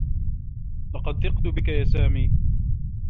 لقد ثقت بك يا سامي.